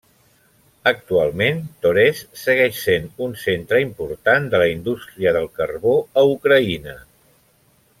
Actualment, Torez segueix sent un centre important de la indústria del carbó a Ucraïna.